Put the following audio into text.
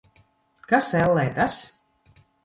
Kas, ellē, tas?